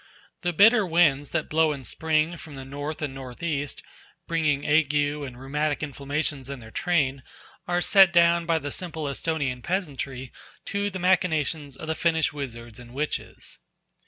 The bitter winds that blow in spring from the north and north east, bringing ague and rheumatic inflammations in their train, are set down by the simple Esthonian peasantry to the machinations of the Finnish wizards and witches.